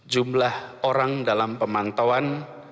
jumlah orang dalam pemantauan